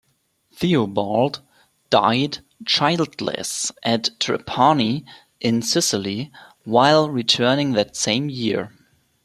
Theobald died childless at Trapani in Sicily while returning that same year.